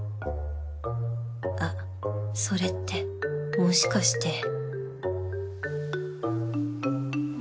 あっそれってもしかして